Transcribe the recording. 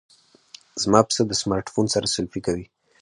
زما پسه د سمارټ فون سره سیلفي کوي.